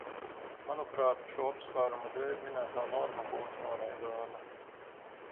Manuprāt, šo apsvērumu dēļ minētā norma būtu noraidāma.